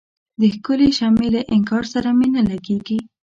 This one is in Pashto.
د ښکلي شمعي له انګار سره مي نه لګیږي